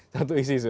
satu isis pak